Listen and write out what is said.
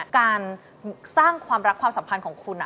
การสร้างความรักความสัมพันธ์ของคุณ